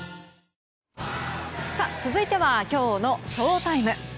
続いてはきょうのＳＨＯＴＩＭＥ。